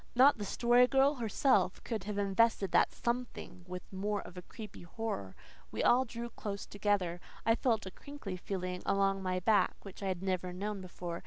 Not the Story Girl herself could have invested that "something" with more of creepy horror. We all drew close together. I felt a crinkly feeling along my back which I had never known before.